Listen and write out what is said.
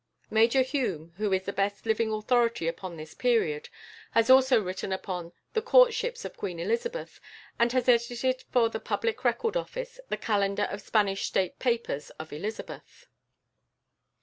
Major Hume, who is the best living authority upon this period, has also written upon "The Courtships of Queen Elizabeth," and has edited for the Public Record Office the Calendar of Spanish State Papers of Elizabeth.